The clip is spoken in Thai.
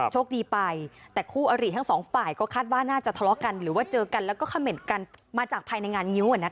โชคดีไปแต่คู่อริทั้งสองฝ่ายก็คาดว่าน่าจะทะเลาะกันหรือว่าเจอกันแล้วก็เขม่นกันมาจากภายในงานงิ้ว